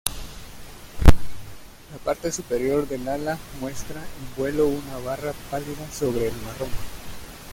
La parte superior del ala muestra en vuelo una barra pálida sobre el marrón.